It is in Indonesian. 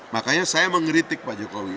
makanya saya mengeritik pak jokowi